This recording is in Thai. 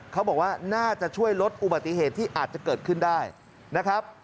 เขาบอกว่าน่าจะช่วยลดอุบัติเหตุที่อาจจะเกิดขึ้นได้นะครับ